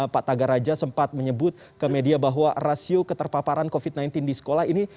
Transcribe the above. pak tagar raja sempat menyebut ke media bahwa rasio keterpaparan covid sembilan belas di sekolah ini